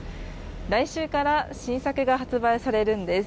来週から新作が発売されるんです。